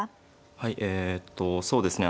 はいえとそうですね